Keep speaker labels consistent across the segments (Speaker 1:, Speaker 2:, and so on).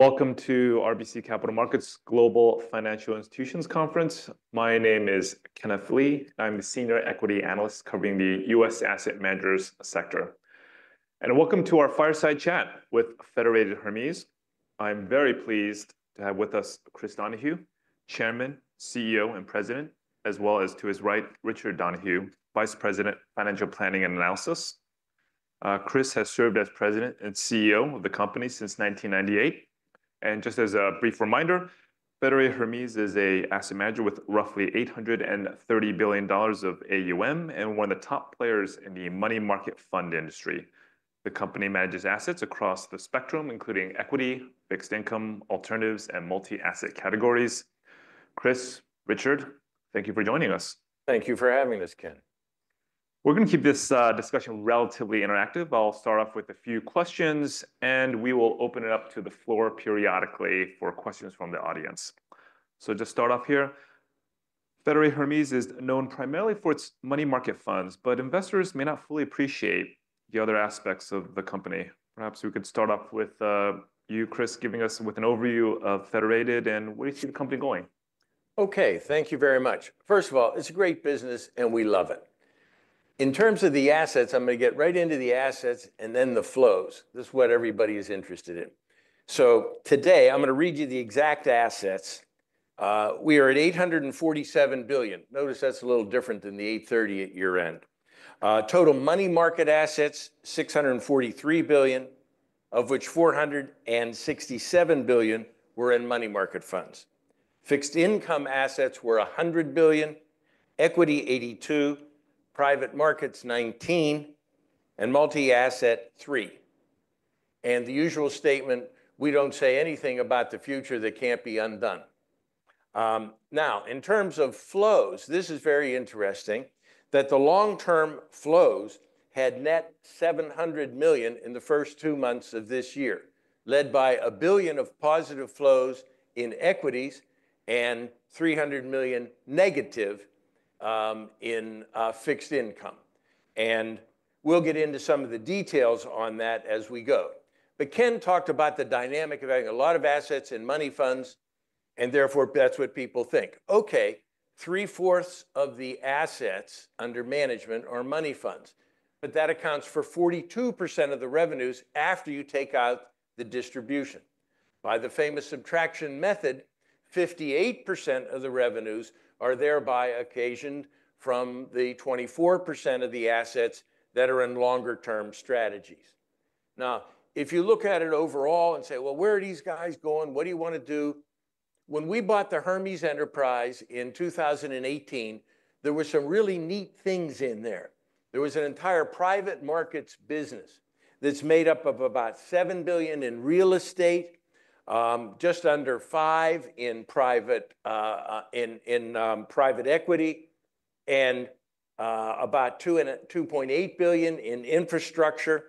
Speaker 1: Welcome to RBC Capital Markets Global Financial Institutions Conference. My name is Kenneth Lee. I'm the Senior Equity Analyst covering the U.S. asset managers sector, and welcome to our fireside chat with Federated Hermes. I'm very pleased to have with us Chris Donahue, Chairman, CEO, and President, as well as to his right, Richard Donahue, Vice President, Financial Planning and Analysis. Chris has served as President and CEO of the company since 1998, and just as a brief reminder, Federated Hermes is an asset manager with roughly $830 billion of AUM and one of the top players in the money market fund industry. The company manages assets across the spectrum, including equity, fixed income, alternatives, and multi-asset categories. Chris, Richard, thank you for joining us.
Speaker 2: Thank you for having us, Ken.
Speaker 1: We're going to keep this discussion relatively interactive. I'll start off with a few questions, and we will open it up to the floor periodically for questions from the audience. So just start off here. Federated Hermes is known primarily for its money market funds, but investors may not fully appreciate the other aspects of the company. Perhaps we could start off with you, Chris, giving us an overview of Federated and where you see the company going.
Speaker 2: Okay, thank you very much. First of all, it's a great business, and we love it. In terms of the assets, I'm going to get right into the assets and then the flows. This is what everybody is interested in. So today I'm going to read you the exact assets. We are at $847 billion. Notice that's a little different than the $830 at year-end. Total money market assets, $643 billion, of which $467 billion were in money market funds. Fixed income assets were $100 billion, equity $82 billion, private markets $19 billion, and multi-asset $3 billion, and the usual statement, we don't say anything about the future that can't be undone. Now, in terms of flows, this is very interesting that the long-term flows had net $700 million in the first two months of this year, led by $1 billion of positive flows in equities and $300 million negative in fixed income. And we'll get into some of the details on that as we go. But Ken talked about the dynamic of having a lot of assets in money funds, and therefore that's what people think. Okay, three-fourths of the assets under management are money funds, but that accounts for 42% of the revenues after you take out the distribution. By the famous subtraction method, 58% of the revenues are thereby occasioned from the 24% of the assets that are in longer-term strategies. Now, if you look at it overall and say, well, where are these guys going? What do you want to do? When we bought the Hermes Enterprise in 2018, there were some really neat things in there. There was an entire private markets business that's made up of about $7 billion in real estate, just under $5 billion in private equity, and about $2.8 billion in infrastructure.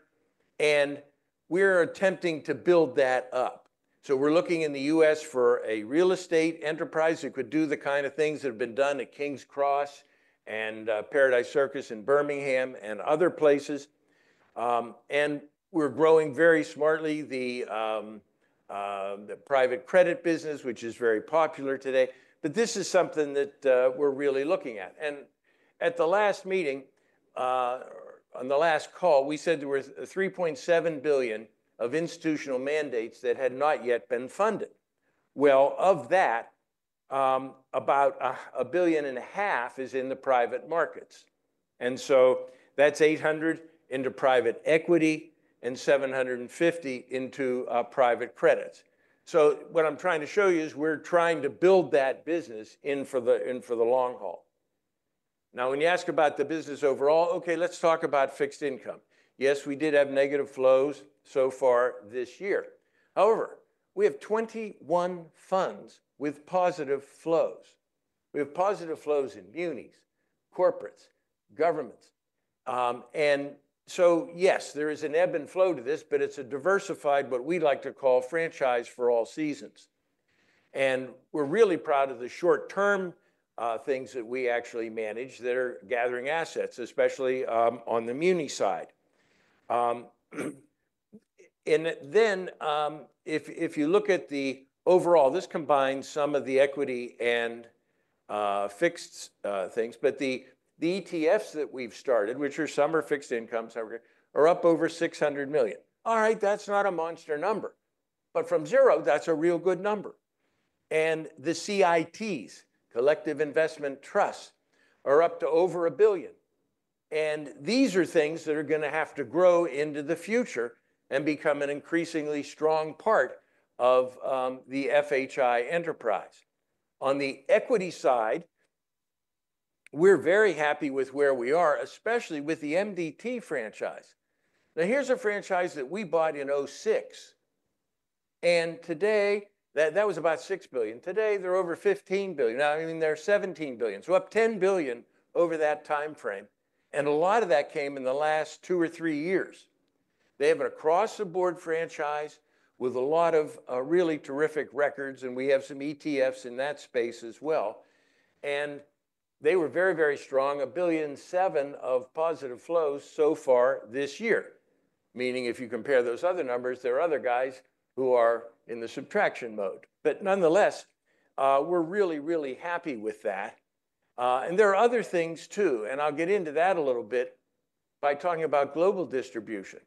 Speaker 2: And we're attempting to build that up. So we're looking in the U.S. for a real estate enterprise that could do the kind of things that have been done at King's Cross and Paradise Circus in Birmingham and other places. And we're growing very smartly the private credit business, which is very popular today. But this is something that we're really looking at. And at the last meeting, on the last call, we said there were $3.7 billion of institutional mandates that had not yet been funded. Well, of that, about $1.5 billion is in the private markets. And so that's $800 into private equity and $750 into private credits. So what I'm trying to show you is we're trying to build that business in for the long haul. Now, when you ask about the business overall, okay, let's talk about fixed income. Yes, we did have negative flows so far this year. However, we have 21 funds with positive flows. We have positive flows in munis, corporates, governments. And so yes, there is an ebb and flow to this, but it's a diversified, what we like to call, franchise for all seasons. And we're really proud of the short-term things that we actually manage that are gathering assets, especially on the muni side. And then if you look at the overall, this combines some of the equity and fixed things, but the ETFs that we've started, which are some are fixed income, some are up over $600 million. All right, that's not a monster number. But from zero, that's a real good number. And the CITs, collective Investment Trusts, are up to over a billion. And these are things that are going to have to grow into the future and become an increasingly strong part of the FHI enterprise. On the equity side, we're very happy with where we are, especially with the MDT franchise. Now, here's a franchise that we bought in 2006. And today, that was about $6 billion. Today, they're over $15 billion. Now, I mean, they're $17 billion. So up $10 billion over that timeframe. And a lot of that came in the last two or three years. They have an across-the-board franchise with a lot of really terrific records. We have some ETFs in that space as well. They were very, very strong, $1.007 billion of positive flows so far this year. Meaning if you compare those other numbers, there are other guys who are in the subtraction mode. But nonetheless, we're really, really happy with that. There are other things too. I'll get into that a little bit by talking about global distribution.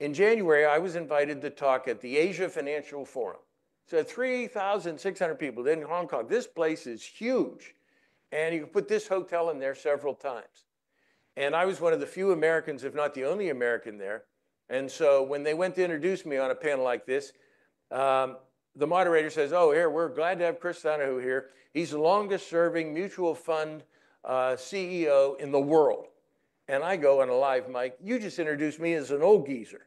Speaker 2: In January, I was invited to talk at the Asia Financial Forum. So 3,600 people, then Hong Kong. This place is huge. You can put this hotel in there several times. I was one of the few Americans, if not the only American there. And so when they went to introduce me on a panel like this, the moderator says, "Oh, here, we're glad to have Chris Donahue here. He's the longest-serving mutual fund CEO in the world." And I go on a live mic, "You just introduced me as an old geezer."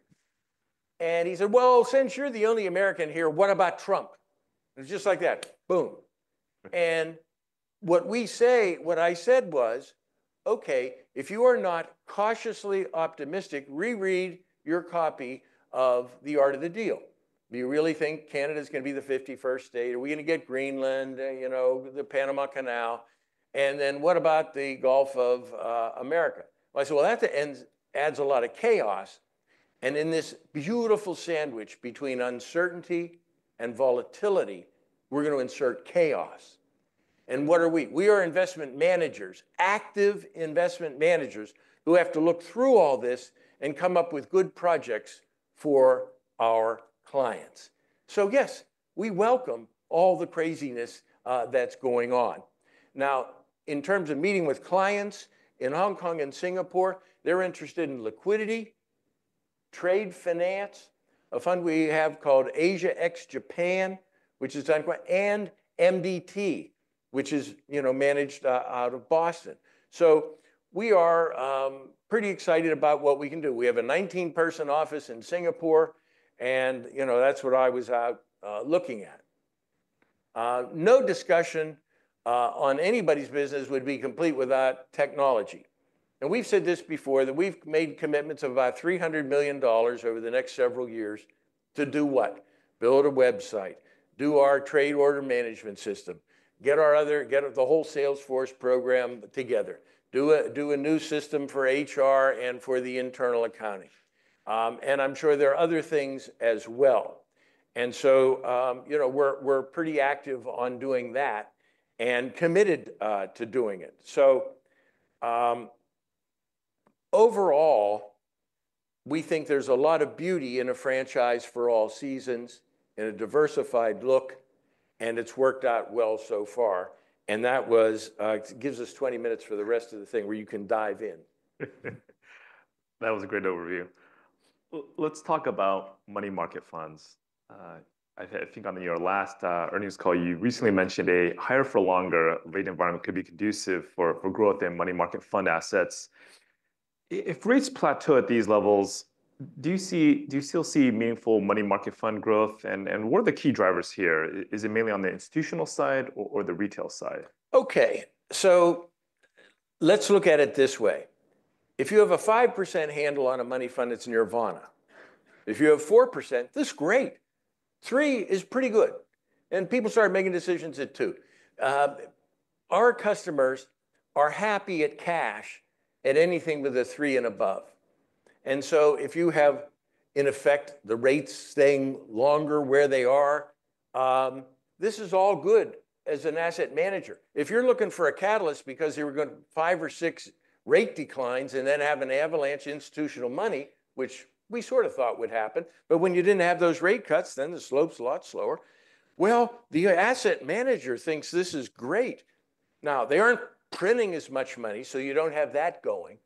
Speaker 2: And he said, "Well, since you're the only American here, what about Trump?" And it's just like that. Boom. And what we say, what I said was, "Okay, if you are not cautiously optimistic, reread your copy of The Art of the Deal. Do you really think Canada is going to be the 51st state? Are we going to get Greenland, you know, the Panama Canal? And then what about the Gulf of America?" Well, I said, "Well, that adds a lot of chaos. And in this beautiful sandwich between uncertainty and volatility, we're going to insert chaos. What are we? We are investment managers, active investment managers who have to look through all this and come up with good projects for our clients." So yes, we welcome all the craziness that's going on. Now, in terms of meeting with clients in Hong Kong and Singapore, they're interested in liquidity, trade finance, a fund we have called Asia Ex-Japan, which is done by MDT, which is, you know, managed out of Boston. So we are pretty excited about what we can do. We have a 19-person office in Singapore. And, you know, that's what I was out looking at. No discussion on anybody's business would be complete without technology. And we've said this before, that we've made commitments of about $300 million over the next several years to do what? Build a website, do our trade order management system, get the whole Salesforce program together, do a new system for HR and for the internal accounting. And I'm sure there are other things as well. And so, you know, we're pretty active on doing that and committed to doing it. So overall, we think there's a lot of beauty in a franchise for all seasons and a diversified look. And it's worked out well so far. And that was. It gives us 20 minutes for the rest of the thing where you can dive in.
Speaker 1: That was a great overview. Let's talk about money market funds. I think on your last earnings call, you recently mentioned a higher-for-longer rate environment could be conducive for growth in money market fund assets. If rates plateau at these levels, do you still see meaningful money market fund growth? And what are the key drivers here? Is it mainly on the institutional side or the retail side?
Speaker 2: Okay, so let's look at it this way. If you have a 5% handle on a money fund, it's nirvana. If you have 4%, this is great. 3% is pretty good. And people start making decisions at 2%. Our customers are happy at cash and anything with a 3% and above. And so if you have, in effect, the rates staying longer where they are, this is all good as an asset manager. If you're looking for a catalyst because you're going to have five or six rate declines and then have an avalanche of institutional money, which we sort of thought would happen, but when you didn't have those rate cuts, then the slope's a lot slower, well, the asset manager thinks this is great. Now, they aren't printing as much money, so you don't have that going.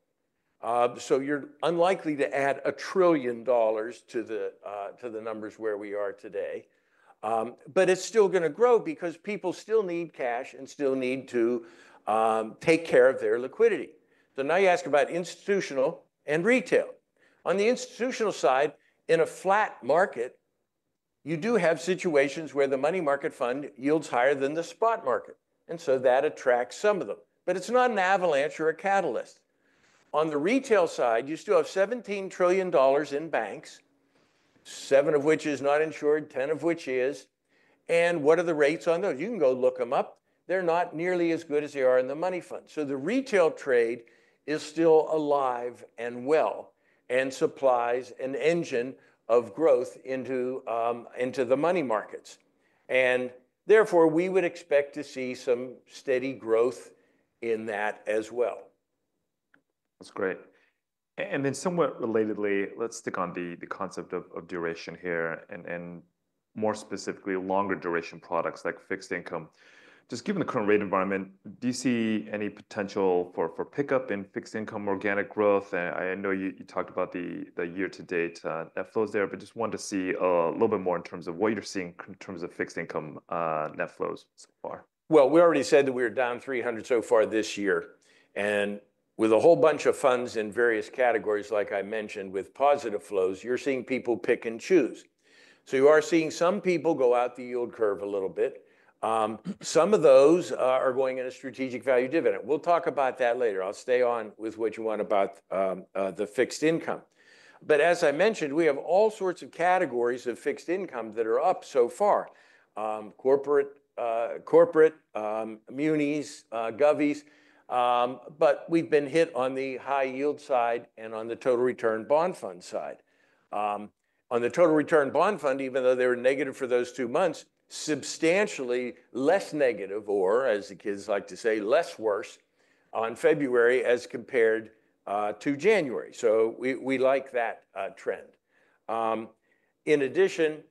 Speaker 2: So you're unlikely to add a trillion dollars to the numbers where we are today. But it's still going to grow because people still need cash and still need to take care of their liquidity. So now you ask about institutional and retail. On the institutional side, in a flat market, you do have situations where the money market fund yields higher than the spot market. And so that attracts some of them. But it's not an avalanche or a catalyst. On the retail side, you still have $17 trillion in banks, seven of which is not insured, 10 of which is. And what are the rates on those? You can go look them up. They're not nearly as good as they are in the money fund. So the retail trade is still alive and well and supplies an engine of growth into the money markets. Therefore, we would expect to see some steady growth in that as well.
Speaker 1: That's great. And then somewhat relatedly, let's stick on the concept of duration here and more specifically longer duration products like fixed income. Just given the current rate environment, do you see any potential for pickup in fixed income organic growth? And I know you talked about the year-to-date net flows there, but just wanted to see a little bit more in terms of what you're seeing in terms of fixed income net flows so far.
Speaker 2: We already said that we were down 300 so far this year. With a whole bunch of funds in various categories, like I mentioned, with positive flows, you're seeing people pick and choose. You are seeing some people go out the yield curve a little bit. Some of those are going in a Strategic Value Dividend. We'll talk about that later. I'll stay on with what you want about the fixed income. As I mentioned, we have all sorts of categories of fixed income that are up so far. Corporate, munis, govvies. We've been hit on the high yield side and on the Total Return Bond Fund side. On the Total Return Bond Fund, even though they were negative for those two months, substantially less negative or, as the kids like to say, less worse on February as compared to January. So we like that trend. In addition,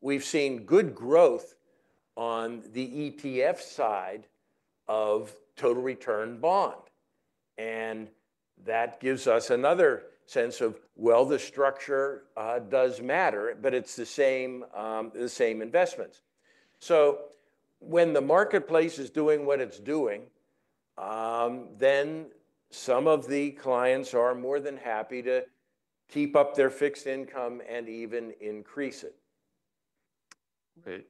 Speaker 2: we've seen good growth on the ETF side of total return bond. And that gives us another sense of, well, the structure does matter, but it's the same investments. So when the marketplace is doing what it's doing, then some of the clients are more than happy to keep up their fixed income and even increase it.
Speaker 1: Great.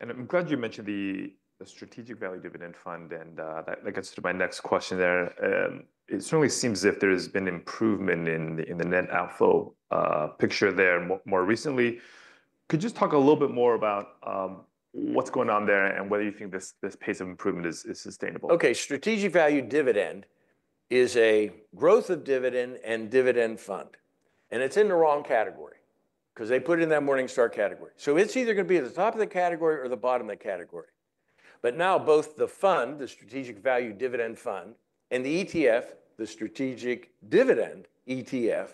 Speaker 1: And I'm glad you mentioned the Strategic Value Dividend Fund. And that gets to my next question there. It certainly seems as if there has been improvement in the net outflow picture there more recently. Could you just talk a little bit more about what's going on there and whether you think this pace of improvement is sustainable?
Speaker 2: Okay, Strategic Value Dividend is a growth of dividend and dividend fund, and it's in the wrong category because they put it in that Morningstar category, so it's either going to be at the top of the category or the bottom of the category. But now both the fund, the Strategic Value Dividend Fund, and the ETF, the Strategic Dividend ETF,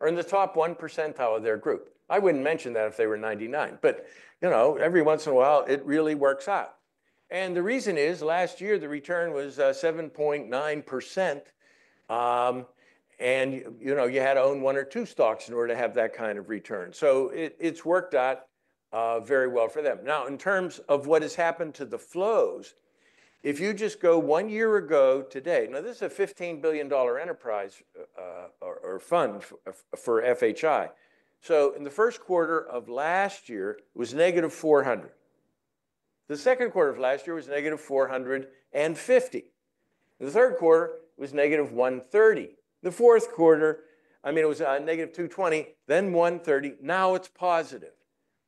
Speaker 2: are in the top one percentile of their group. I wouldn't mention that if they were 99, but you know, every once in a while, it really works out, and the reason is last year, the return was 7.9%, and you know, you had to own one or two stocks in order to have that kind of return, so it's worked out very well for them. Now, in terms of what has happened to the flows, if you just go one year ago today, now this is a $15 billion enterprise or fund for FHI. So in the first quarter of last year, it was negative 400. The second quarter of last year was negative 450. The third quarter was negative 130. The fourth quarter, I mean, it was negative 220, then 130. Now it's positive.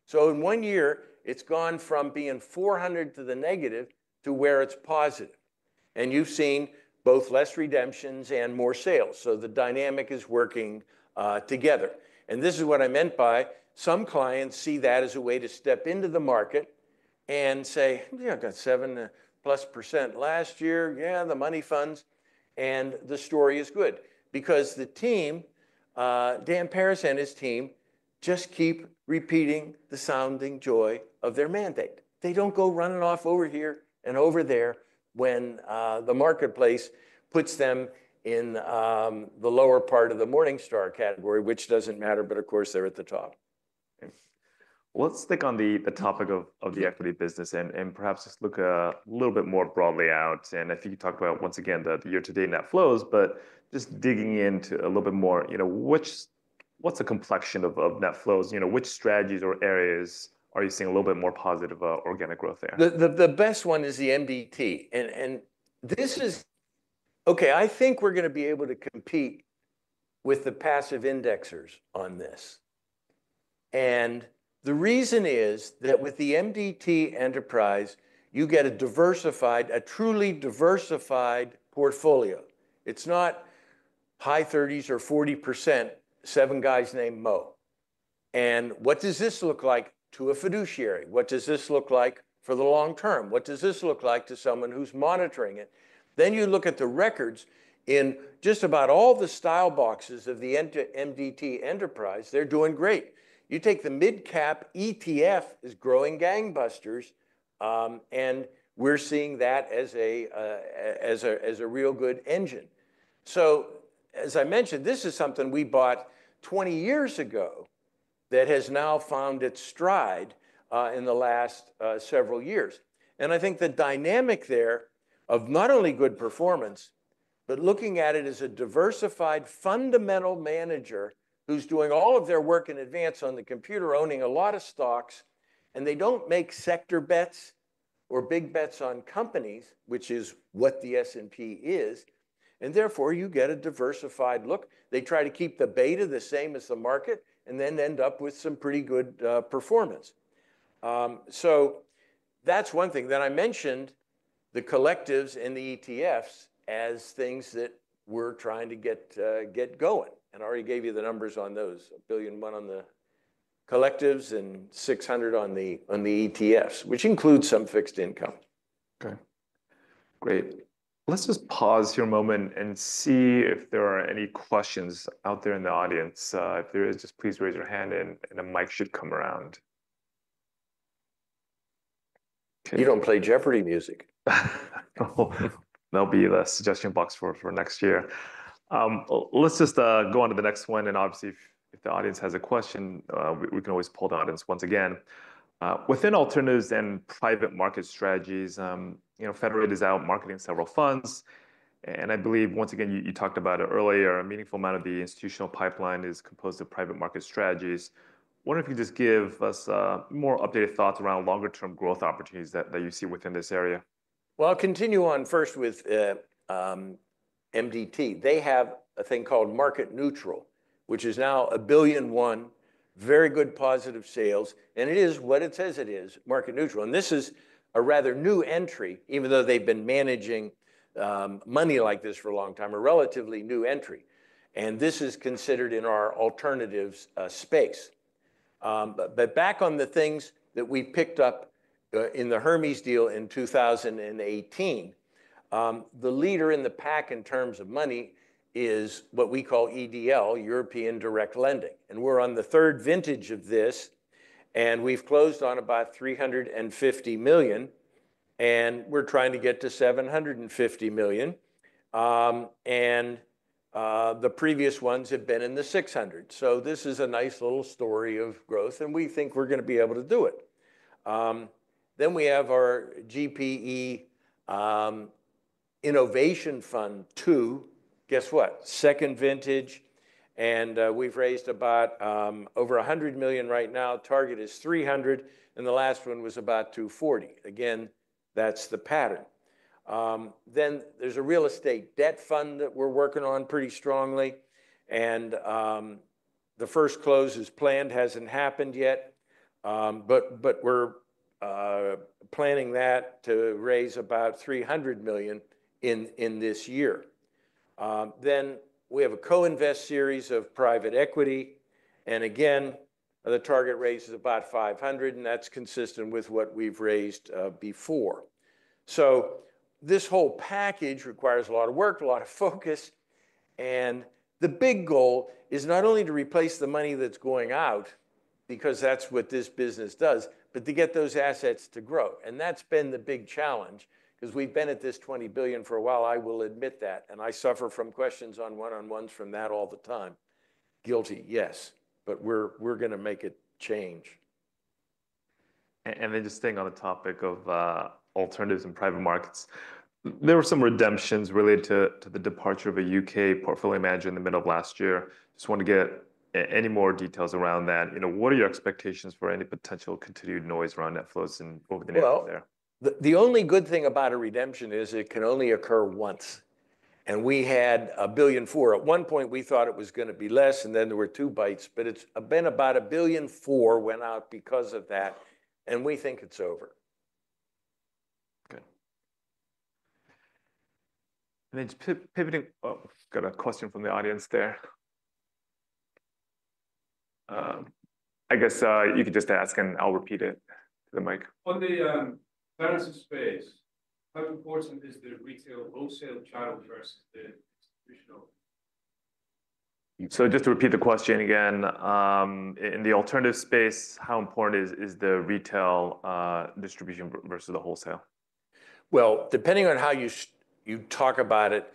Speaker 2: So in one year, it's gone from being 400 to the negative to where it's positive. And you've seen both less redemptions and more sales. So the dynamic is working together. And this is what I meant by some clients see that as a way to step into the market and say, "Yeah, I got 7% plus last year. Yeah, the money funds, and the story is good because the team, Dan Peris and his team, just keep repeating the astounding joy of their mandate. They don't go running off over here and over there when the marketplace puts them in the lower part of the Morningstar category, which doesn't matter, but of course, they're at the top.
Speaker 1: Let's stick on the topic of the equity business and perhaps just look a little bit more broadly out, and I think you talked about, once again, the year-to-date net flows, but just digging into a little bit more, you know, what's the complexion of net flows? You know, which strategies or areas are you seeing a little bit more positive organic growth there?
Speaker 2: The best one is the MDT. And this is, okay, I think we're going to be able to compete with the passive indexers on this. And the reason is that with the MDT enterprise, you get a diversified, a truly diversified portfolio. It's not high 30s or 40%, seven guys named Moe. And what does this look like to a fiduciary? What does this look like for the long term? What does this look like to someone who's monitoring it? Then you look at the records in just about all the style boxes of the MDT enterprise, they're doing great. You take the mid-cap ETF, it's growing gangbusters. And we're seeing that as a real good engine. So, as I mentioned, this is something we bought 20 years ago that has now found its stride in the last several years. And I think the dynamic there of not only good performance, but looking at it as a diversified fundamental manager who's doing all of their work in advance on the computer, owning a lot of stocks, and they don't make sector bets or big bets on companies, which is what the S&P is. And therefore, you get a diversified look. They try to keep the beta the same as the market and then end up with some pretty good performance. So that's one thing. Then I mentioned the collectives and the ETFs as things that we're trying to get going. And I already gave you the numbers on those, $1.1 billion on the collectives and $600 million on the ETFs, which includes some fixed income.
Speaker 1: Okay. Great. Let's just pause here a moment and see if there are any questions out there in the audience. If there is, just please raise your hand and a mic should come around.
Speaker 3: You don't play Jeopardy music.
Speaker 1: There'll be a suggestion box for next year. Let's just go on to the next one. And obviously, if the audience has a question, we can always pull the audience once again. Within alternatives and private market strategies, you know, Federated is out marketing several funds. And I believe, once again, you talked about it earlier, a meaningful amount of the institutional pipeline is composed of private market strategies. I wonder if you could just give us more updated thoughts around longer-term growth opportunities that you see within this area.
Speaker 2: Well, I'll continue on first with MDT. They have a thing called Market Neutral, which is now $1.1 billion, very good positive sales. And it is what it says it is, Market Neutral. And this is a rather new entry, even though they've been managing money like this for a long time, a relatively new entry. And this is considered in our alternatives space. But back on the things that we picked up in the Hermes deal in 2018, the leader in the pack in terms of money is what we call EDL, European Direct Lending. And we're on the third vintage of this. And we've closed on about $350 million. And we're trying to get to $750 million. And the previous ones have been in the $600 million. So this is a nice little story of growth. And we think we're going to be able to do it. Then we have our GPE Innovation Fund II. Guess what? Second vintage. And we've raised about over $100 million right now. Target is $300 million. And the last one was about $240 million. Again, that's the pattern. Then there's a real estate debt fund that we're working on pretty strongly. And the first close is planned. Hasn't happened yet. But we're planning that to raise about $300 million in this year. Then we have a Co-invest Series of private equity. And again, the target raise is about $500 million. And that's consistent with what we've raised before. So this whole package requires a lot of work, a lot of focus. And the big goal is not only to replace the money that's going out, because that's what this business does, but to get those assets to grow. And that's been the big challenge because we've been at this $20 billion for a while. I will admit that and I suffer from questions on one-on-ones from that all the time. Guilty, yes, but we're going to make it change.
Speaker 1: And then just staying on the topic of alternatives and private markets, there were some redemptions related to the departure of a U.K. portfolio manager in the middle of last year. Just want to get any more details around that. You know, what are your expectations for any potential continued noise around net flows over the next year?
Speaker 2: The only good thing about a redemption is it can only occur once. We had $1.4 billion. At one point, we thought it was going to be less. Then there were two buys. It's been about $1.4 billion went out because of that. We think it's over.
Speaker 1: Okay. And then, pivoting. Oh, we've got a question from the audience there. I guess you could just ask, and I'll repeat it to the mic. On the balance of space, how important is the retail wholesale channel versus the institutional? So just to repeat the question again, in the alternative space, how important is the retail distribution versus the wholesale?
Speaker 2: Depending on how you talk about it,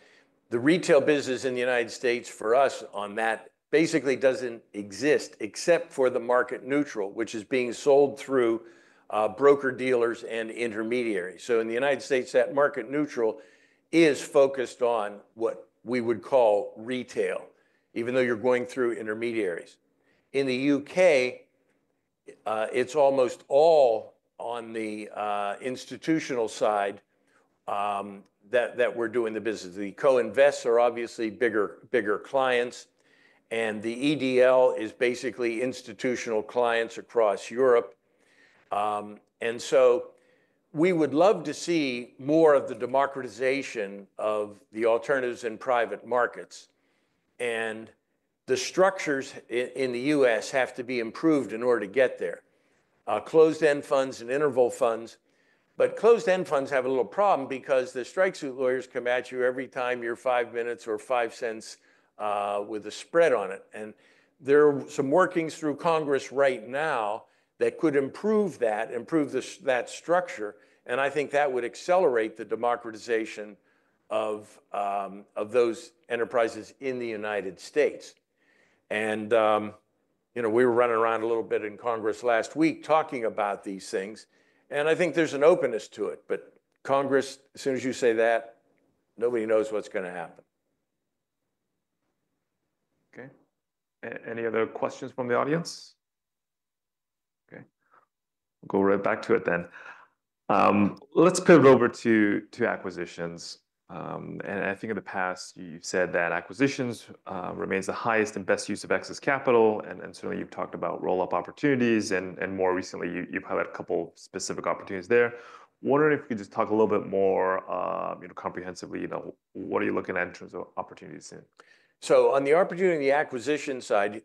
Speaker 2: the retail business in the United States for us on that basically doesn't exist except for the market neutral, which is being sold through broker dealers and intermediaries, so in the United States, that market neutral is focused on what we would call retail, even though you're going through intermediaries. In the U.K., it's almost all on the institutional side that we're doing the business. The co-invests are obviously bigger clients, and the EDL is basically institutional clients across Europe, and so we would love to see more of the democratization of the alternatives and private markets, and the structures in the U.S. have to be improved in order to get there. Closed-end funds and interval funds. But closed-end funds have a little problem because the strike suit lawyers come at you every time you're five minutes or five cents with a spread on it. And there are some workings through Congress right now that could improve that, improve that structure. And I think that would accelerate the democratization of those enterprises in the United States. And, you know, we were running around a little bit in Congress last week talking about these things. And I think there's an openness to it. But Congress, as soon as you say that, nobody knows what's going to happen.
Speaker 1: Okay. Any other questions from the audience? Okay. We'll go right back to it then. Let's pivot over to acquisitions. And I think in the past, you said that acquisitions remains the highest and best use of excess capital. And certainly, you've talked about roll-up opportunities. And more recently, you've had a couple of specific opportunities there. I wonder if you could just talk a little bit more comprehensively. What are you looking at in terms of opportunities?
Speaker 2: So on the opportunity acquisition side,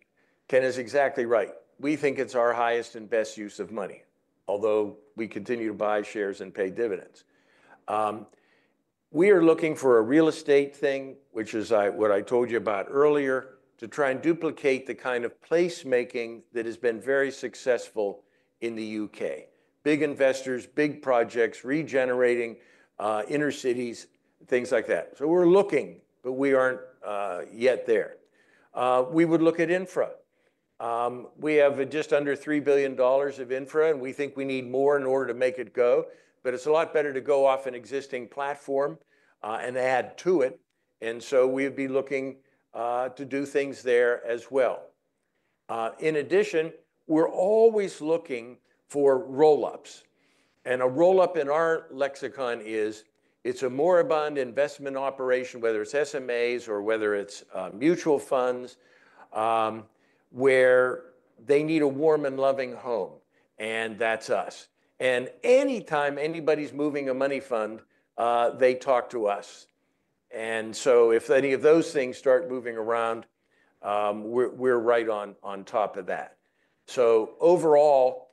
Speaker 2: Ken is exactly right. We think it's our highest and best use of money, although we continue to buy shares and pay dividends. We are looking for a real estate thing, which is what I told you about earlier, to try and duplicate the kind of placemaking that has been very successful in the U.K. Big investors, big projects, regenerating inner cities, things like that. So we're looking, but we aren't yet there. We would look at infra. We have just under $3 billion of infra. And we think we need more in order to make it go. But it's a lot better to go off an existing platform and add to it. And so we would be looking to do things there as well. In addition, we're always looking for roll-ups. A roll-up in our lexicon is it's a moribund investment operation, whether it's SMAs or whether it's mutual funds, where they need a warm and loving home. That's us. Anytime anybody's moving a money fund, they talk to us. If any of those things start moving around, we're right on top of that. Overall,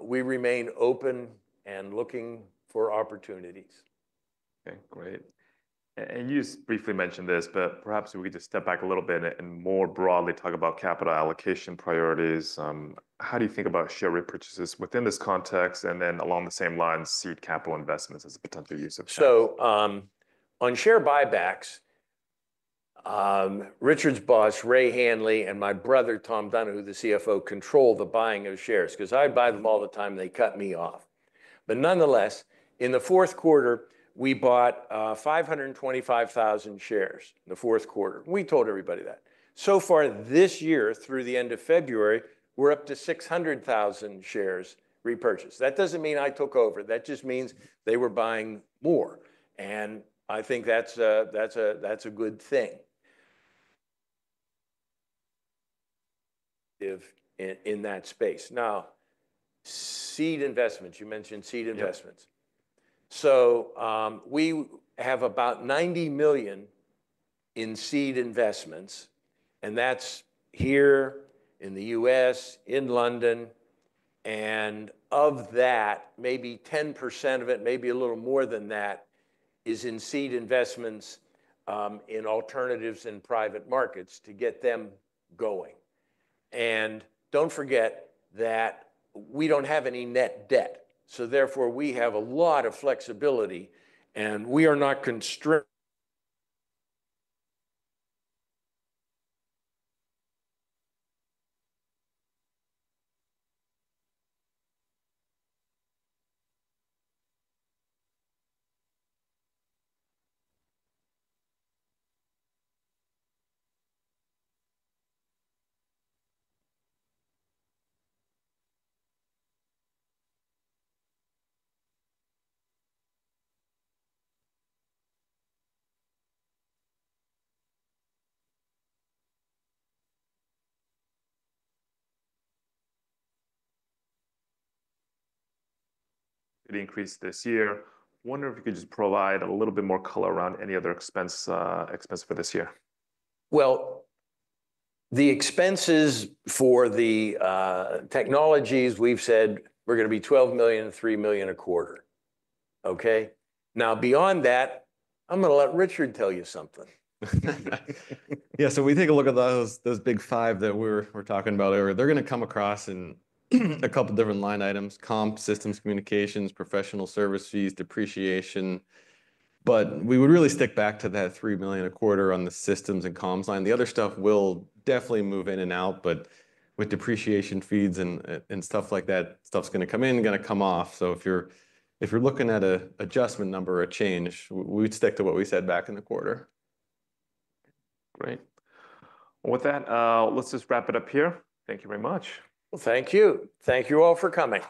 Speaker 2: we remain open and looking for opportunities.
Speaker 1: Okay. Great. And you briefly mentioned this, but perhaps we could just step back a little bit and more broadly talk about capital allocation priorities. How do you think about share repurchases within this context? And then along the same lines, seed capital investments as a potential use of shares?
Speaker 2: On share buybacks, Richard's boss, Ray Hanley, and my brother, Tom Donahue, the CFO, control the buying of shares because I buy them all the time. They cut me off. But nonetheless, in the fourth quarter, we bought 525,000 shares in the fourth quarter. We told everybody that. So far this year, through the end of February, we're up to 600,000 shares repurchased. That doesn't mean I took over. That just means they were buying more. And I think that's a good thing in that space. Now, seed investments, you mentioned seed investments. So we have about $90 million in seed investments. And that's here in the U.S., in London. And of that, maybe 10% of it, maybe a little more than that, is in seed investments in alternatives and private markets to get them going. And don't forget that we don't have any net debt. So therefore, we have a lot of flexibility. And we are not constrained.
Speaker 1: It increased this year. I wonder if you could just provide a little bit more color around any other expense for this year.
Speaker 2: The expenses for the technologies, we've said we're going to be $12 million and $3 million a quarter. Okay? Now, beyond that, I'm going to let Richard tell you something.
Speaker 4: Yeah. So we take a look at those big five that we were talking about earlier. They're going to come across in a couple of different line items: comp, systems, communications, professional service fees, depreciation. But we would really stick back to that $3 million a quarter on the systems and comms line. The other stuff will definitely move in and out. But with depreciation fees and stuff like that, stuff's going to come in and going to come off. So if you're looking at an adjustment number or a change, we'd stick to what we said back in the quarter. Great.
Speaker 1: Well, with that, let's just wrap it up here. Thank you very much.
Speaker 2: Well, thank you. Thank you all for coming.